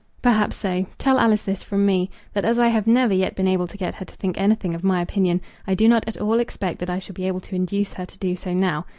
"Perhaps so. Tell Alice this from me, that as I have never yet been able to get her to think anything of my opinion, I do not at all expect that I shall be able to induce her to do so now.